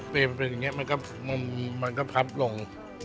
เปรย์มันเป็นอย่างเงี้ยมันก็พับลง